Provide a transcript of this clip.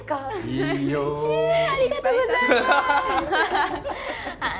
いいよええありがとうございますああ